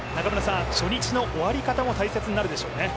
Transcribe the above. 初日の終わり方も大切になるでしょうね？